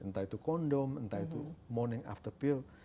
entah itu kondom entah itu morning after peer